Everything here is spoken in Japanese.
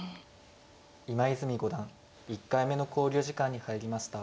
今泉五段１回目の考慮時間に入りました。